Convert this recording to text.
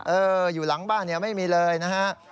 เอออยู่หลังบ้านไม่มีเลยนะฮะ